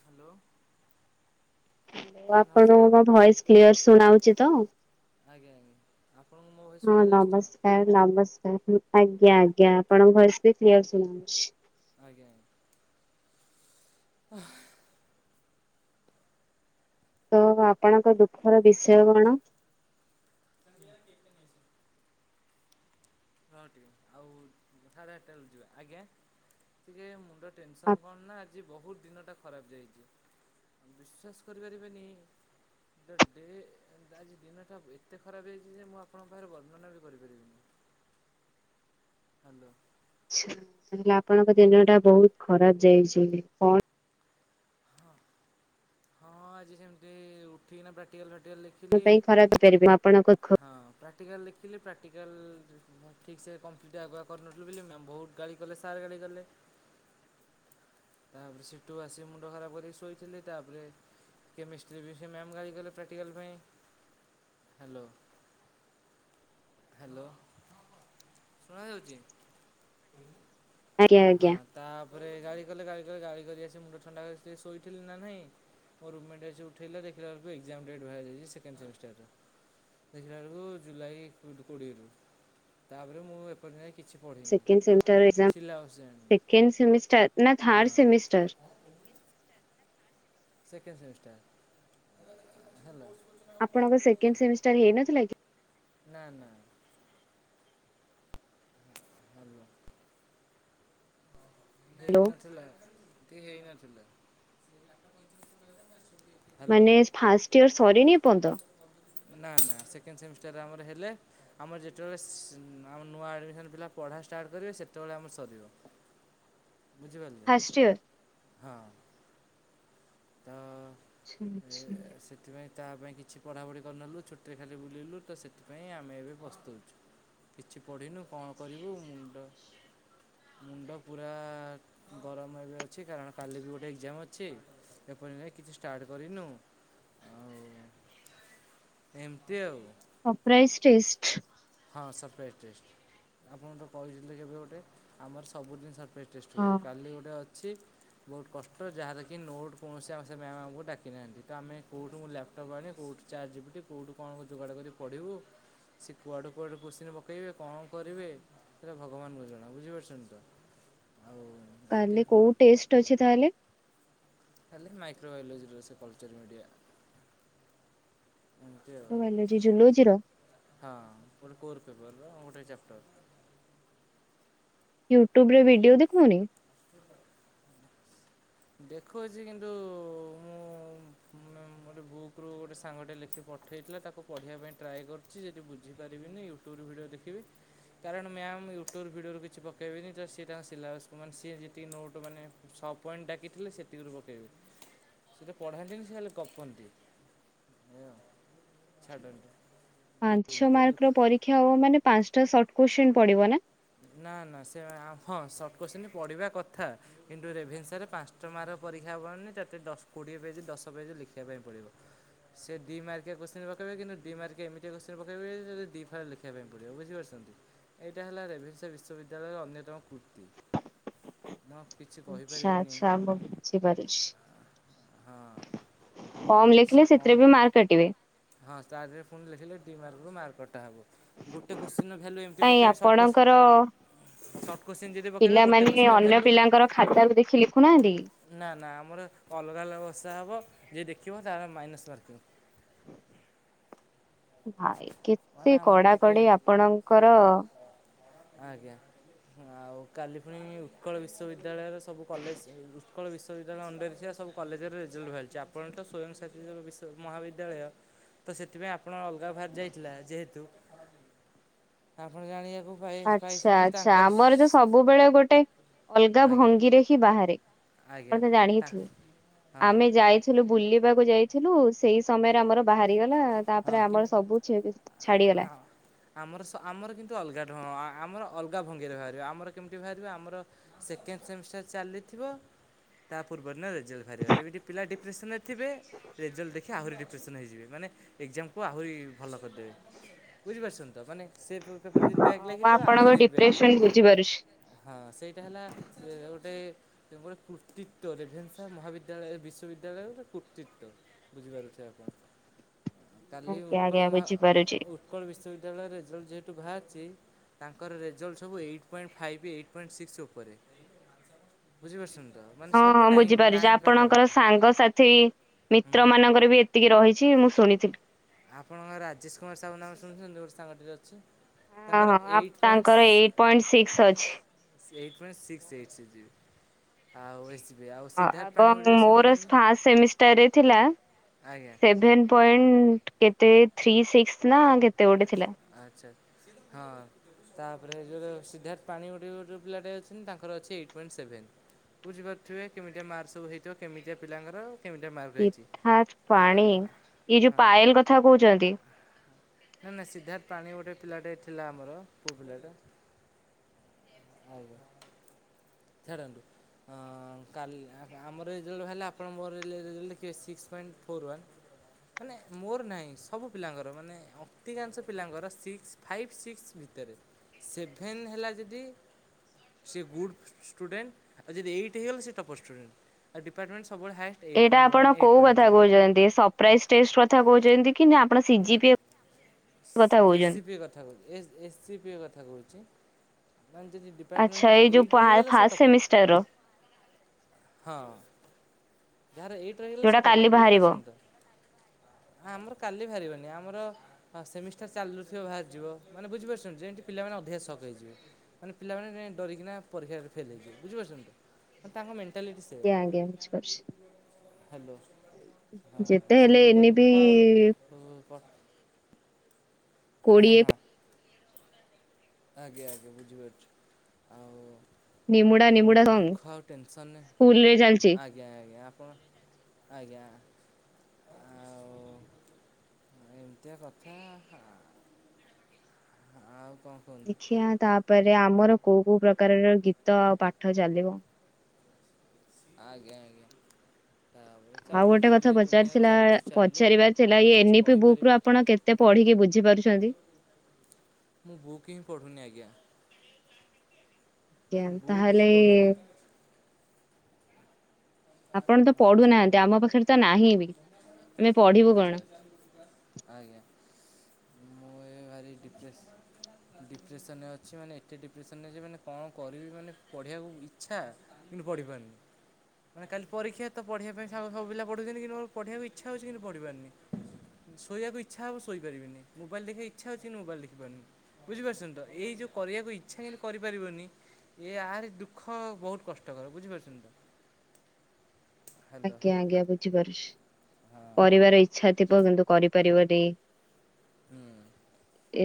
Hello. ଆଜ୍ଞା ନମସ୍କାର ଆପଣଙ୍କଙ୍କ ଭଏସ କ୍ଲିୟର ଶୁଣାଉଛି ତ। ଆଜ୍ଞା ଆଜ୍ଞା ଆପଣଙ୍କୁ ମୋ ଭଏସ୍ ହଁ ଶୁଣାଯାଉଛି ତ ନମସ୍କାର ନମସ୍କାର। ଆଜ୍ଞା ଆଜ୍ଞା ଆପଣଙ୍କ ଭୟସ ବି କ୍ଲିୟର ଶୁବୁଛି। ଆଜ୍ଞା ଆଜ୍ଞା। ଓହ। ତ ଆପଣଙ୍କ ଦୁଃଖର ବିଷୟ କଣ? [inaudible] ହଁ ଟିକେ ଆଉ ସାଢେ ଆଠଟା ବେଳୁ ଯିବା ଆଜ୍ଞା ଟିକେ ମୁଣ୍ଡ ଟେନସନ୍ କଣ ନା ଆଜି ବହୁତ ଦିନଟା ଖରାପ ଯାଇଛି ବିଶ୍ୱାସ କରିପାରିବେନି ନିଜ ଡେ ଆଜି ଦିନଟା ଏତେ ଖରାପ ହେଇଛି ଯେ ମୁଁ ଆପଣଙ୍କ ପାଖରେ ବର୍ଣ୍ଣନା ବି କରିପାରିବିନି। ହାଲୋ। ଆଚ୍ଛା ତାହେଲେ ଆପଣଙ୍କ ଦିନ ଟା ବହୁତ ଖରାପ ଯାଇଛି କଣ ହଁ ଆଜି ସେମିତି ଉଠିକିନା ପ୍ରାକ୍ଟିକାଲ ଫ୍ରାକ୍ଟିକାଲ୍ ପ୍ରାକ୍ଟିକାଲ ମୋ ଲେଖିଲି ପାଇଁ ଖରାପ ହେଇପାରିବ ଆପଣଙ୍କ ଦୁଃଖ? ହଁ ପ୍ରାକ୍ଟିକାଲ ଲେଖିଲି ପ୍ରାକ୍ଟିକାଲ ଠିକ୍ ସେ କମ୍ପ୍ଲିଟ ଆଗୁଆ କରିନଥିଲୁ ବୋଲି ମ୍ୟାମ୍ ବହୁତ ଗାଳି କଲେ ସାର୍ ଗାଳି କଲେ। ତାପରେ ସେଠୁ ଆସି ମୁଣ୍ଡ ଖରାପ କରିକି ଶୋଇଥିଲି ତାପରେ କେମେଷ୍ଟ୍ରି ବି ସେହି ମ୍ୟାମ୍ ଗାଳି କଲେ ପ୍ରାକ୍ଟିକାଲ ପାଇଁ ହାଲୋ ହାଲୋ ଶୁଣା ଯାଉଛି। ଆଜ୍ଞା ଆଜ୍ଞା। ପରେ ଗାଳି କଲେ ଗାଳି କଲେ ଗାଳି କରି ଆସି ମୁଣ୍ଡ ଥଣ୍ଡା ଶୋଇଥିଲି ନା ନାହିଁ ମୋ ରୁମମେଣ୍ଟ ଆସି ଉଠେଇଲା ଦେଖିଲା ବେଳକୁ ଏକ୍ଜାମ ଡେଟ୍ ବାହାରିଯାଇଛି ସେକେଣ୍ଡ ସେମିଷ୍ଟାର ର। ଦେଖିଲା ବେଳକୁ ଜୁଲାଇ କୋଡ଼ି କୋଡିଏରୁୁ ତାପରେ ମୁଁ ଏପରି ଯାଇ କିଛି ପଢିନି ସେକେଣ୍ଡ ସେମିଷ୍ଟାର ଏକ୍ସାମ ସିଲାବସ୍ ଜାଣିନି ସେକେଣ୍ଡ ସେମିଷ୍ଟାର ନା ହଁ third semester? Second semester hello. ଆପଣଙ୍କ ସେକେଣ୍ଡ ସେମିଷ୍ଟାର ହେଇନଥିଲା କି? ନା ନା। ହାଲୋ [inaudible] ହ୍ୟାଲୋ ହେଇନଥିଲା ତି ହେଇନଥିଲା। ହ୍ୟାଲୋ ମାନେ ଫାଷ୍ଟ ଇୟର ସରିନି ଏପର୍ଯ୍ୟନ୍ତ? ନା ନା ସେକେଣ୍ଡ ସେମିଷ୍ଟାରରେ ଆମର ହେଲେ ଆମର ଯେତେବେଳେ ସେ ନୂଆ ଆଡ଼ମିସନ୍ ପିଲା ପ ପଢ଼ା ଷ୍ଟାର୍ଟ କରିବେ ସେତେବେଳେ ଆମର ସରିବ। [unintelligible] ବୁଝିିପାରିଲେ ଫାଷ୍ଟ ଇୟର? ହଁ। ତ ଆଚ୍ଛା ଏ, ଆଚ୍ଛା। ସେଥିପାଇଁ ତା ପାଇଁ କିଛି ପଢ଼ାପଢ଼ି କରିନଥିଲୁ ଛୁଟିରେ ଖାଲି ବୁଲିଲୁ ତ ସେଥିପାଇଁ ଆମେ ଏବେ ପସ୍ତଉଛୁ। କିଛି ପଢିନୁ କଣ କରିବୁ ମୁଣ୍ଡ ମୁଣ୍ଡ ପୁରା ଗରମ ଏବେ ଅଛି କାରଣ କାଲି ବି ଗୋଟେ ଏକ୍ଜାମ ଅଛି। ଏପରି ନାଇ କିଛି ଷ୍ଟାର୍ଟ କରିନୁ ଆଉ ଏମିତି ଆଉ। ହଁ ପ୍ରାଇସ୍ ଟେଷ୍ଟ? ହଁ ସରପ୍ରାଇଜ ଟେଷ୍ଟ ଆପଣ ତ କହିଛନ୍ତି କେବେ ଗୋଟେ ଆମର ସବୁ ଦିନି ସର ପ୍ରାଇଜ୍ ଟେଷ୍ଟ ହୁଏ ହଁ। କାଲି ଗୋଟେ ଅଛି। ବହୁତ କଷ୍ଟ ଯାହାରକି ନୋଟ୍ କୌଣସି ଆବଶ୍ୟ ସେ ମ୍ୟାମ୍ ଆମକୁ ଡାକିନାହାନ୍ତି ତ ଆମେ କୋଉଠୁ ମୁଁ ଲ୍ୟାପଟପ୍ ଆଣି କୋଉଠୁ ଚାଟ୍ ଜିପିଟି କୋଉଠୁ କଣ ଯୋଗାଡ କରି ପଢିବୁ। କୁଆଡୁ କୁଆଡୁ କୋଶ୍ଚେନ୍ ପକେଇବେ କଣ କରିବେ ସେଇଟା ଭଗବାନଙ୍କୁ ଜଣା ବୁଝିପାରୁଛନ୍ତି ତ ଆଉ ଏତେ କାଲି କୋଉ ଟେଷ୍ଟ୍ ଅଛି ତାହଲେ? କାଲି ମାଇକ୍ରୋବାୟୋଲଜି ର କଲଚର ମିଡିଆ। ବାୟୋଲୋଜି ଜୁଲଜିର। ହଁ ଗୋଟେ କୋର ପେପରର ଗୋଟେ ଚାପ୍ଟରର। ୟୁଟ୍ୟୁବରେ ଭିଡିଓ ଦେଖଉନି? ଦେଖଉଛି କିନ୍ତୁ ମୁଁ ଗୋଟେ ବୁକ୍ ରୁ ଗୋଟେ ସାଙ୍ଗ ଟେ ଲେଖିକି ପଠଉ ପଠେଇଥିଲା ତାକୁ ପଢ଼ିବା ପାଇଁ ଟ୍ରାଏ କରିୁଛି ଯଦି ବୁଝିପାରିବିନି ୟୁଟ୍ୟୁବରୁ ଭିଡ଼ିଓ ଦେଖିବି। କାରଣ ମ୍ୟାମ୍ ୟୁଟ୍ୟୁବ ଭିଡିଓରୁ କିଛି ପକେଇବେନି ସେ ତାଙ୍କ ସିଲାବସ୍ ମାନେ ଯିଏ ଯେତିକି ନୋଟ୍ ମାନେ ଶ ପଏଣ୍ଟ୍ ଡାକିଥିଲେ ସେତିକିରୁ ପକେଇବେ। ସେତ ପଢାନ୍ତିନି ସେ ଖାଲି ଗପନ୍ତି। [unintelligible] ପାଞ୍ଚ ଏମିତିଆ ଦୁଃଖ ମାର୍କର ପରୀକ୍ଷା ହବ ମାନେ ପାଞ୍ଚଟା ସର୍ଟ କୋଶ୍ଚିନ୍ ପଡିବ ନା। ନା ନା ସେ ହଁ ସଟ କୋଶ୍ଚିନ୍ ପଡିବା କଥା କିନ୍ତୁ ରେଭେନ୍ସରେ ପାଞ୍ଚଟା ମାର ପରୀକ୍ଷା ହେବନି। ତତେ ଦଶ କୋଡ଼ିଏ ପେଜ ଦଶ ପେଜ ଲେଖିବା ପାଇଁ ପଡ଼ିବ। ସେ ଦି ମାର୍କକିୟା କୋଶ୍ଚିନ୍ ପକେଇବେ କିନ୍ତୁ ଦି ମାର୍କକିୟା ଏମିତିଆ କୋଶ୍ଚିନ୍ ପକେଇବେ ଯେ ତତେ ଦି ଫାଳେ ଲେଖିବା ପାଇଁ ପଡିବ ବୁଝିପାରୁଛୁ। ଏଇଟା ହେଲା ରେଭେନ୍ସା ବିଶ୍ୱବିଦ୍ୟାଳୟର ଅନ୍ୟତମ କୃତ୍ତି। ଆଚ୍ଛା ଆଛା ମୁଁ ବୁଝି ପାରୁଛି। ହଁ। ସେ ସେଥିରେ କଣ ବି ମାର୍କ କାଟିବେ। ହଁ ତା ଦେହରେ ପୁଣି ଲେଖିଲେ ଦି ମାର୍କରୁୁ ମାର୍କ କଟା ହବ। ଗୋଟେ କୋଶ୍ଚିିନର ଭ୍ୟାଲୁ ଏମିତି କାଇଁ ପକେଇବି ସର୍ଟ କୋସ୍ ଆପଣଙ୍କର ପିଲାମାନେ ଅନ୍ୟ ଭ୍ୟାଲୁ ପିଲାଙ୍କର ଖାତାକୁ ଦେଖି ଲେଖୁନାହାନ୍ତି? ନା ନା ଆମର ଅଲଗା ଅଲଗା ବସା ହବ ଯିଏ ଦେଖିବ ତାର ମାଇନସ୍ ମାର୍କିଂ। [inaudible] ଭାଇ ମାନେ କେତେ ଆମର ଟିକେ କଡାକଡି ଆପଣଙ୍କର। ଆଜ୍ଞା। ଆଉ କାଲି ପୁଣି ଉତ୍କଳ ବିଶ୍ୱବିଦ୍ୟାଳୟର ସବୁ କଲେଜ ଉତ୍କଳ ବିଶ୍ୱବିଦ୍ୟାଳୟ ଅଣ୍ଡରେ ଥିବା ସବୁ କଲେଜରେ ରେଜଲ୍ଟ ବାହାରଛି। ଆପଣ ତ ସ୍ଵୟଂ ସାସିତ ବିଶ୍ୱ ମହାବିଦ୍ୟାଳୟ ତ ସେଥିପାଇଁ ଆପଣ ଅଲଗା ବାହାରି ଯାଇଥିଲା ଯେହେତୁ, ଆପଣ ଜାଣିବା ଆଚ୍ଛା ଆଛା ଆମର ତ ସବୁବେଳେ ଗୋଟେ ଅଲଗା ଆଜ୍ଞା ଭଙ୍ଗିରେ ହିଁ ବାହାରେ। ଆପଣ ଆଜ୍ଞା ତ ତା ଜାଣିଥିବେ ଆମେ ହଁ ଯାଇଥିଲୁ ବୁଲିବାକୁ ଯାଇଥିଲୁ ସେଇ ସମୟରେ ଆମର ବାହାରିଗଲା ହଁ ତାପରେ କିନ୍ତୁ ଆମର ସବୁ ଛାଡିଗଲା। ଆମର ସ ଆମର କିନ୍ତୁ ଅଲଗା ଢଙ୍ଗ ଆମର ଅଲଗା ଭଙ୍ଗିରେ ବାହାରିବ ଆମର କେମିତି ବାହାରିବ ଆମର ସେକେ ସେକେଣ୍ଡ ସେମିଷ୍ଟର ଚାଲିଥିବ ତା ପୂର୍ବରୁ ନା ରେ। ରେଜଲ୍ଟ ବାହାରିବ। ଯେମିତି ପିଲା ଡିପ୍ରେସନ ରେ ଥିବେ ରେଜଲ୍ଟ ଦେଖି ଆଉରି ଡି ଡିପ୍ରେସନ୍ ହେଇଯିବେ ମାନେ ଏଗଜାମ୍ କୁ ଆହୁରି ଭଲ କରିପାରିବେ। ବୁଝିପାରୁଛନ୍ତି ତ ମାନେ ସେ ପେପର ଯଦି ହଁ ବ୍ୟାକ୍ ମୁଁ ଲାଗିଥିବ ଆପଣଙ୍କ ଆହୁରି ଯେମିତି ବ୍ୟାକ୍ ଡିପ୍ରେସନ ଲାଗି ବୁଝିପାରୁଛି। ହଁ ସେଇଟା ହେଲା ଗୋଟେ ଗୋଟେ କୃତ୍ତିତ୍ୱ ରେଭେନ୍ସା ମହାବିଦ୍ୟାଳୟ ବିଶ୍ୱବିଦ୍ୟାଳୟରେ ଗୋଟେ କୃତ୍ତିତ୍ୱ ବୁଝିପାରୁଥିବେ। କାଲି ଆଜ୍ଞା ଉତ୍କଳ ଆଜ୍ଞା ମହା ବୁଝିପାରୁଛି ଉତ୍କଳ ବିଶ୍ୱବିଦ୍ୟାଳୟ ରେଜଲ୍ଟ ଯେହେ ବାହାରୁଛି, ତାଙ୍କର ରେଜଲ୍ଟ ସବୁ eight point five eight point six ଉପରେ। ବୁଝିପାରୁଛନ୍ତି। ତ ମାନେ ହଁ ସବୁ ହଁ ନାଇନ୍ ବୁଝିପାରୁଛି। ନାଇନ୍ ଆପଣଙ୍କର ପାଖାପାଖି ସାଙ୍ଗସାଥି ହୁଁ ମିତ୍ର ମାନଙ୍କର ବି ଏତିକି ରହିଛି। ମୁଁ ଶୁଣିଥିଲି। ଆପଣଙ୍କ ରାଜେଶ କୁମାର ସାହୁ ନାମ ଶୁଣିଛନ୍ତି। ଗୋଟେ ସାଙ୍ଗ ହଁ ହଁ ତାଙ୍କର ଏଇଟ୍ ପଏଣ୍ଟ ସିକ୍ସ ଅଛି। ଏଇଟ୍ ପଏଣ୍ଟ ସିକ୍ସ [unintelligible] ଆଉ ଏ ଏବଂ ମୋର ଫାଷ୍ଟ ସେମିଷ୍ଟାରେ ଥିଲା ଆଜ୍ଞା ସେଭେନ ପଏଣ୍ଟ କେତେ ଥ୍ରୀ ସିକ୍ସ ନା କେତେ ଗୋଟେ ଥିଲା। ଆଚ୍ଛା ହଁ ତାପରେ ଯୋଉଟା ସିଦ୍ଧାର୍ଥ ପାଣି ଗୋଟେ ଗୋଟେ ପିଲାଟେ ଅଛନ୍ତି, ତାଙ୍କର ଅଛି ଏଇଟ୍ ପଏଣ୍ଟ ସେଭେନ୍। ବୁଝିପାରୁଥିବେ କେମିତିଆ ମାର୍କ ସବୁ ହେଇଥିବ କେମିତିଆ ପିଲାଙ୍କର। କେମିତିଆ ମାର୍କ ହେଇଛି। ସିଦ୍ଧାର୍ଥ ଆ ପାଣି ଏଇ ଯୋଉ ପାଏଲ କଥା କହୁଛନ୍ତି। ନାଇ ନା ସିଦ୍ଧାର୍ଥ ପାଣି ଗୋଟେ ପିଲାଟେ ଥିଲା ଆମର ପୁଅ ପିଲାଟା। ଆଉ ଛାଡ଼ନ୍ତୁ ଆଁ କାଲି ଆମର ରେଜଲ୍ଟ ବାହାରିଲେ ଆପଣ ମୋର ହେଲେ ରେଜଲ୍ଟ ଦେଖିବେ ସିକ୍ସ ପଏଣ୍ଟ ଫୋର୍ ୱାନ୍। ମାନେ ମୋର ନାହିଁ ସବୁ ପିଲାଙ୍କର ମାନେ ଅଧିକାଂଶ ପିଲାଙ୍କର ସିକ୍ସ ଫାଇପ୍ ସିକ୍ସ ଭିତରେ ସେଭେନ୍ ହେଲା ଯଦି ସେ ଗୁଡ୍ ଷ୍ଟୁଡେଣ୍ଟ। ଆଉ ଜଦି ଏଇଟ୍ ହେଇଗଲା ସେ ଟପର ଷ୍ଟୁଡେଣ୍ଟ। ଆଉ ଡିପାଟମେଣ୍ଟ ଏଇଟା ଆପଣ କୋଉ କଥା କହୁଛନ୍ତି ସପ୍ରାଇଜନଟେଷ୍ଟ କଥା କହୁ ଯେମିତି କି ନା ଆପଣ ସିଜିି ପି ଏସ୍ଜି ପି କଥା ଏସ୍ଜିପି ଙ୍କ କଥା କହୁଛି। ଯଦି ଆଚ୍ଛା ଡିପାର୍ଟମେଣ୍ଟରେ ଏଇ ଯୋଉ ଏଇଟ ରହିଗଲା ସେ ଫାର୍ଷ୍ଟ ସେମିଷ୍ଟାର ଟପର। ର ହଁ ଯାହାର ଏଇଟ ରହିଲା ଯୋଉଟା ସେଇଟା କାଲି ପରେ ବାହାରିବ। ବୁଝିପାରୁଛନ୍ତି ତ? ଆମର କାଲି ବାହାରିବନି ଆମର ହଁ ସେମିଷ୍ଟାର ଚାଲୁବି ଥିବ ବାହାରିଯିବ ମାନେ ବୁଝିପାରୁଛନ୍ତି ଯେମତି ପିଲାମାନେେ ଅଧିକା ଶକ୍ ହେଇଯିବ ମାନେ ପିଲା ଡରିକିନା ପରୀକ୍ଷାରେ ଫେଲ ହେଇଯିବେ ବୁଝିପାରୁଛନ୍ତି ତାଙ୍କ ମେଁ ଆଜ୍ଞା ଆଜ୍ଞା ବୁଝି ପାରୁଛି। ହ୍ୟାଲୋ ହଁ ସେ ହେଲେ ଏମିତିଆ ଏନେ ବି ଦୁଃଖ ଆଉ ଉଁ କହ। କୋଡ଼ିଏ। ଆଜ୍ଞା ଆଜ୍ଞା ବୁଝିପାରୁଛି ଆଉ ନିମୁଡ଼ା ନିମୁଡ଼ା ଏମିତିଆ ସଙ୍ଗ ଦୁଃଖ ଆଉ ଟେନସନ୍ ସ୍କୁଲରେ ଆଜ୍ଞା ଆଜ୍ଞା ଆପଣ ଆଜ୍ଞା। ଆଉ [inaudible] ଏମିତିଆ କଥା ଆଉ କଣ। କୁହନ୍ତୁ ଦେଖିବା ତାପରେ ଆମର କୋଉ କୋଉ ପ୍ରକାରର ଗୀତ ଆଉ ପାଠ ଚାଲିବ ଆଜ୍ଞା ଆ୍ଞା। [inaudible] ଆଉ ଗୋଟେ କଥା ପଚାରିଥିଲା ଚାଲୁ ପଚାରିବାର ଥିଲା ମୁଁ ଆଉ କିଛି ଏନିଫି କହିପାରିବି ବୁକରୁ ଆପଣ କେତେ ପଢିକି ବୁଝି ପାରୁଛନ୍ତି? ହ [inaudible] ମୁଁ ବୁକ୍ ହିଁ ପଢ଼ୁନି ଆଜ୍ଞା। ଆଜ୍ଞା ମୁଁ ବୁକ୍ ହିଁ ତାହଲେ ଏ ପଢ଼ୁନି ଆପଣ ତ ଆଚ୍ଛା ପଢୁନାହାନ୍ତି ଆମ ପାଖରେ ତ ନାହିଁ ବି ଆମେ ପଢିବୁ ଆଚ୍ଛା କଣ। ଆଚ୍ଛା ଆଜ୍ଞା। ମୁଁ ଏ [inaudible] ଭାରି ଡିପ୍ରେସ। ଡିପ୍ରେସନ ରେ ଅଛି ମାନେ ଏତେ ଡିପ୍ରେସନ ରେ ଜେ ମାନେ କଣ କରିବି ମାନେ ପଢିବାକୁ ଇଚ୍ଛା- ପଢିପାରୁନି ମାନେ କାଲି ପରୀକ୍ଷା ତ ପଢ଼ିବା ପାଇଁସାଙ୍ଗ ସବୁ ପିଲା ପଢ଼ୁଛନ୍ତିି କିନ୍ତୁ ମୋର ପଢ଼ିବାକୁ ଇଛା ହଉଛି କିନ୍ତୁ ପ଼ଢ଼ିପାରୁନି। ଶୋଇବାକୁ ଇଚ୍ଛା ହବ ଶୋଇ ପାରିବିନି ମୋବାଇଲ ଦେଖିବା ଇଛା ହଉଛି କିନ୍ତୁ ମୋବାଇଲ ଦେଖିପାରୁନି। ବୁଝିପାରୁଛନ୍ତି ତ ଏଇ ଯୋଉ କରିବାକୁ ଇଚ୍ଛା କିନ୍ତୁ କରିପାରିବନି। ଇଏ ଆହୁରି ଦୁଃଖ ବହୁତ କଷ୍ଟକର ବୁଝିପାରୁଛନ୍ତି ତ? ହ୍ୟାଲୋ ଆଜ୍ଞା ଆଜ୍ଞା ବୁଝିପାରୁଛି। ହଁ କରିବାର ଇଚ୍ଛା ଥିବ କିନ୍ତୁ କରିପାରିବନି। ହୁଁ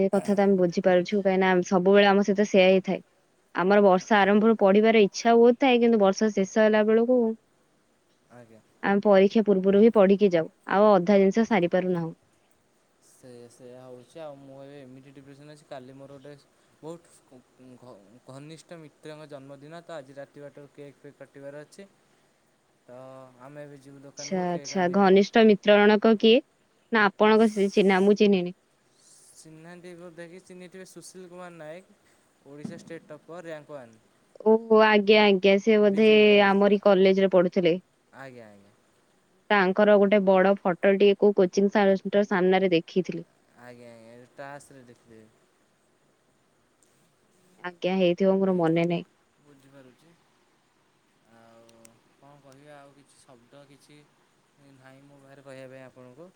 ଏ କଥା ତ ଆମେ ବୁଝିପାରୁଛୁ କାହିଁକିନା ସବୁବେଳେ ଆମ ସହିତ ସେୟା ହି ଥାଏ। ଆମର ବର୍ଷ ଆରମ୍ଭରୁ ପଢିବାର ଇଚ୍ଛା ବହୁତ ଥାଏ କିନ୍ତୁ ବର୍ଷ ଶେଷ ହେଲା ବେଳକୁ ଆଜ୍ଞା। ଆମେ ପରୀକ୍ଷା ପୂର୍ବରୁ ହିଁ ପଢ଼ିକି ଯାଉ ଆଉ ଅଧା ଜିନିଷ ସାରିପାରୁନାହୁଁ। ସେଇୟା ସେଇୟା ହଉଛି ଆଉ ମୁଁ ଏବେ ଏମିତି ଡିପ୍ରେସନ୍ ଅଛି କାଲି ମୋର ଗୋଟେ ବହୁଟ ଭ ଘନିଷ୍ଠ ମିତ୍ରଙ୍କ ଜନ୍ମଦିନ ତ ଆଜି ରାତି ବାରଟାରୁ କେକ୍ ଫେକ୍ କାଟିବାର ଅଛି। ତ ଆମେ ବି ଆଚ୍ଛା ଆଛା ଘନିଷ୍ଠ ମିତ୍ର ରଣକ କିଏ? ନା ଆପଣଙ୍କ ସେ ଚିହ୍ନା ମୁଁ ଚିହ୍ନିନି। ଚିହ୍ନିନାହାନ୍ତି ବୋଧେକି ଚିହ୍ନିଥିବେ Sushil Kumar Nayak Odisha state topper rank one. ଓ ହ ଆଜ୍ଞା ଆଜ୍ଞା ସେ ବୋଧେ ବିଜେପି କଲେଜର ଆମରି କଲେଜରେ ପଢୁଥିଲେ। ଆଜ୍ଞା ଆଜ୍ଞା ତାଙ୍କର ଗୋଟେ ବଡ ଫଟୋଟି କଉ କୋଚିଂ ସେଣ୍ଟର ସାମ୍ନାରେ ଦେଖିଥିଲି। ଆଜ୍ଞା ଆଜ୍ଞା ଟାସରେ ଦେଖିଥିବେ। ଆଜ୍ଞା ହେଇଥିବ ମୋର ଆଜ୍ଞା ମନେ ନାହିଁ। ବୁଝିପାରୁଛି ଆଉ କଣ କହିବି ଆଉ କିଛି ଶବ୍ଦ କିଛି ନାଇଁ ମୋ ପାଖରେ କହିବା ପାଇଁ ଆପଣଙ୍କୁ।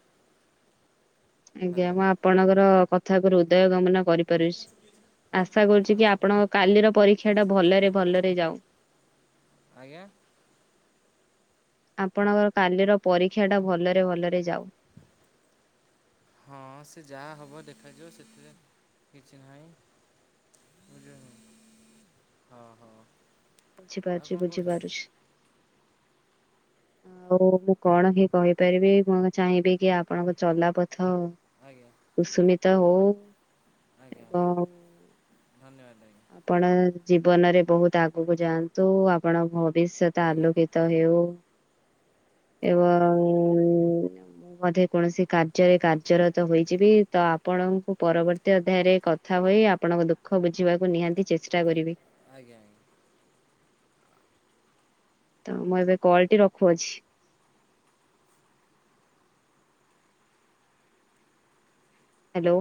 ଆଜ୍ଞା ହ୍ୟାଲୋ ମୁଁ ଆପଣଙ୍କର କଥା ଉପ ହୃଦୟ ଗମନ କରିପାରୁଛି। ହଁ ଆଶା କରୁଛି କି -ଆପଣଙ୍କ କାଲିର ପରୀକ୍ଷା ଟା ଭଲରେ ଭଲରେ ଯାଉ। ଆଜ୍ଞା! ଆପଣଙ୍କର କାଲିର ପରୀକ୍ଷା ଟା ଭଲରେ ଭଲରେ ଯାଉ। ହଁ ସେ ଯାହା ହବ ଦେଖାଯିବ, ସେଥିରେ କିଛି ନାହିଁ! ବୁଝ ହଁ ହଉ [inaudible] ଆଉ ବୁଝିପାରୁଛି, କଣ କହୁଛନ୍ତି ବୁଝିପାରୁଛି। ଆଉ ମୁଁ କଣ ହିଁ କହିପାରିବି। ମୁଁ ଚାହିଁବି କି ଆପଣଙ୍କ ଚଲା ପ- ଥ ଆଜ୍ଞା କୁସୁମିତ ହଉ। ଆଜ୍ଞା ଆଜ୍ଞା ଏବଂ ଧନ୍ୟବାଦ! ଆଜ୍ଞା ଆପଣ ଜୀବନରେ ବହୁତ ଆଗକୁ ଯାଆନ୍ତୁ, ଆପଣ ଭ- ଭବିଶ୍ୱତ ଆଜ୍ଞା ଆଲୋକିତ ହେଉ ଏବଂ ବଧେ କୌଣସି କାର୍ଯ୍ୟରେ କାର୍ଯ୍ୟରତ ହୋଇଯିବି ତ, ଆପଣଙ୍କୁ ପରବର୍ତ୍ତୀ ଅଧ୍ୟାୟରେ କଥା- ହୋଇ ଆପଣଙ୍କ ଦୁଃଖ ବୁଝିବାକୁ ନିହାତି ଚେଷ୍ଟା କରିବି। ଆଜ୍ଞା ଆଜ୍ଞା। ତ ମୁଁ ଏବେ କଲଟି ରଖୁଅଛି। ହାଲୋ!